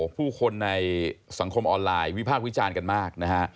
ผู้คนในสังคมออนไลน์วิพากษ์วิจารณ์กันมากนะฮะ